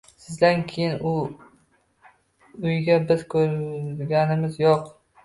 Sizdan keyin u uyga biz kirganimiz yoʻq.